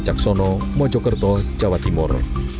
dijaksono mojokerto jawa timur